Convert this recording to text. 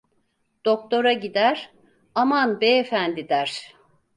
Doktora gider: "Aman beyefendi!" der.